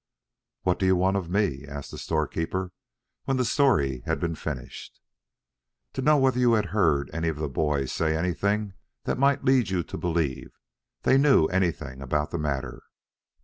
"What do you want of me?" asked the storekeeper, when the story had been finished. "To know whether you had heard any of the boys say anything that might lead you to believe they knew anything about the matter?"